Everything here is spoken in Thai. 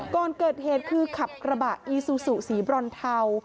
ก่อนเกิดเหตุคือขับกระบะอีซูซูสีบรอนเทา